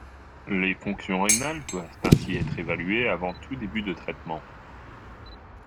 Les fonctions rénales doivent ainsi être évaluées avant tout début de traitement.